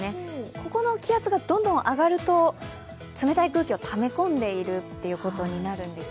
ここの気圧がどんどん上がると冷たい空気をため込んでいることになるんです。